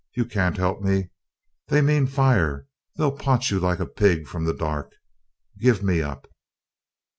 You can't help me. They mean fire; they'll pot you like a pig, from the dark. Give me up!"